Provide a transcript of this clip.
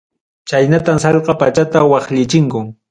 Chaynatam sallqa pachata waqllichinku.